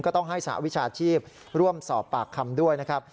ต้องให้สหวิชาชีพร่วมสอบปากคำด้วยนะครับ